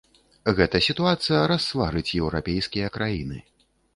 Гэта сітуацыя рассварыць еўрапейскія краіны.